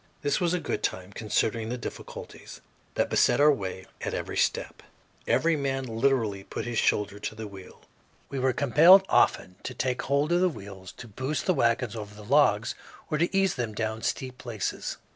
This was good time, considering the difficulties that beset our way at every step. Every man literally "put his shoulder to the wheel." We were compelled often to take hold of the wheels to boost the wagons over the logs or to ease them down steep places.